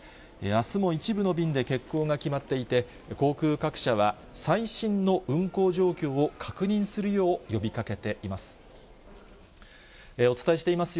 あすも一部の便で欠航が決まっていて、航空各社は、最新の運航状況を確認するよう呼びかけています。